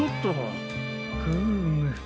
フーム。